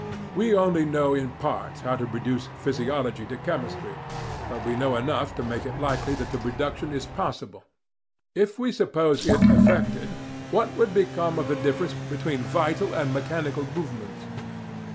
We only know in part how to reduce physiology to chemistry, but we know enough to make it likely that the reduction is possible. If we suppose it effected, what would become of the difference between vital and mechanical movements?